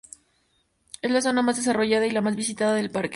Es la zona más desarrollada y la más visitada del parque.